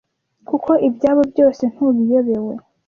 Kuko ibyabo byose ntubiyobewe